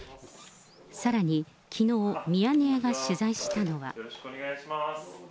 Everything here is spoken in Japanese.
さらにきのう、ミヤネ屋が取材したのは。